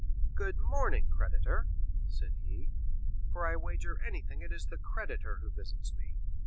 "Good morning, creditor," said he; "for I wager anything it is the creditor who visits me."